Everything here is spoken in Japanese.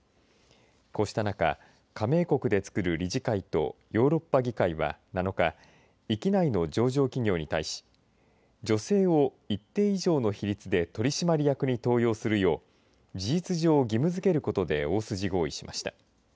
こうした中加盟国でつくる理事会とヨーロッパ議会は７日域内の上場企業に対し女性を一定以上の比率で取締役に登用するよう事実上、義務づけることで大筋合意しました。